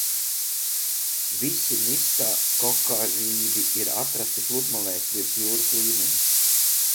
Visi mistakokarīdi ir atrasti pludmalēs virs jūras līmeņa.